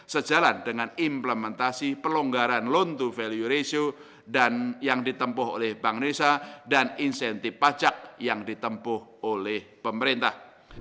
sejalan dengan implementasi pelonggaran loan to value ratio dan yang ditempuh oleh bank indonesia dan insentif pajak yang ditempuh oleh pemerintah